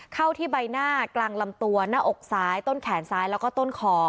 เข้าที่ใบหน้ากลางลำตัวหน้าอกซ้ายต้นแขนซ้ายแล้วก็ต้นคอ